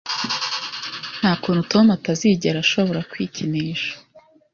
Nta kuntu Tom atazigera ashobora kwikinisha